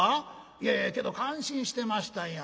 いやいやけど感心してましたんや。